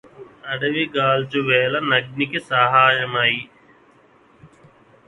అడవి గాల్చు వేళ నగ్నికి సాయమై